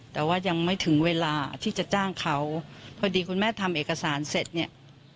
แต่ว่ายังไม่ถึงเวลาที่จะจ้างเขาพอดีคุณแม่ทำเอกสารเสร็จเนี่ย